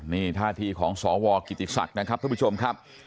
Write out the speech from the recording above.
นี่ท่าทีของสวกิติศักดิ์นะครับท่านผู้ชมครับ